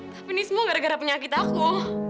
tapi ini semua gara gara penyakit aku